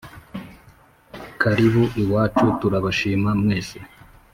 karibu iwacu turabashima mwese